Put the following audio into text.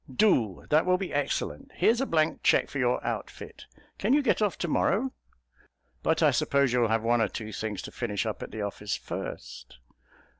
"Do; that will be excellent. Here's a blank cheque for your outfit. Can you get off to morrow? But I suppose you'll have one or two things to finish up at the office first?"